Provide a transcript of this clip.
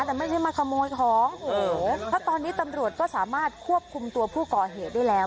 แต่ไม่ใช่มาขโมยของโอ้โหเพราะตอนนี้ตำรวจก็สามารถควบคุมตัวผู้ก่อเหตุได้แล้ว